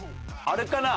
あれかな？